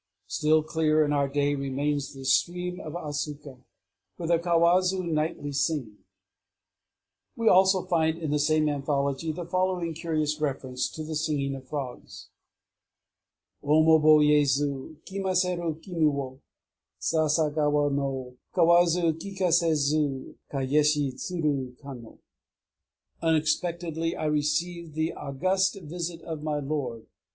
"Still clear in our day remains the stream of Asuka, where the kawazu nightly sing." We find also in the same anthology the following curious reference to the singing of frogs: Omoboyezu Kimaseru kimi wo, Sasagawa no Kawazu kikasezu Kayeshi tsuru kamo! "Unexpectedly I received the august visit of my lord....